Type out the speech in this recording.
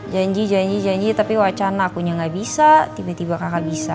janji janji tapi wacana akunya gak bisa tiba tiba kakak bisa